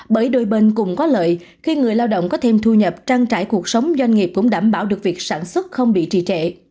bởi đôi bên cũng có lợi khi người lao động có thêm thu nhập trang trải cuộc sống doanh nghiệp cũng đảm bảo được việc sản xuất không bị trì trệ